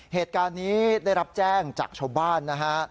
เหตุการณ์นี้ได้รับแจ้งจากชาวบ้านนะฮะ